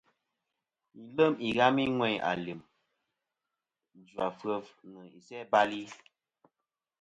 Yi lem ighami ŋweyn alim, jvafef nɨ isæ-bal-i.